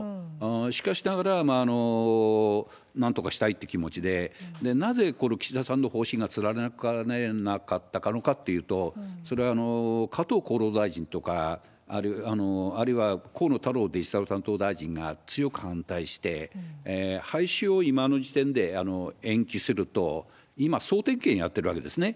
しかしながら、なんとかしたいっていう気持ちで、なぜこれ、岸田さんの方針が貫かれなかったのかというと、それ、加藤厚労大臣とか、あるいは河野太郎デジタル担当大臣が強く反対して、廃止を今の時点で延期すると、今総点検やってるわけですね。